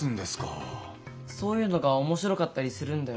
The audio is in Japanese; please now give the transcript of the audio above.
そういうのが面白かったりするんだよ。